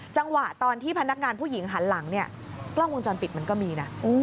จังหวะตอนที่พนักงานผู้หญิงหันหลังเนี่ยกล้องวงจรปิดมันก็มีนะ